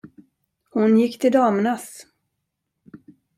Hon gick till damernas.